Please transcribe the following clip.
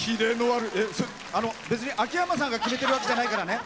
あの別に秋山さんが決めてるわけじゃないからね。